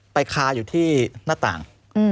คาอยู่ที่หน้าต่าง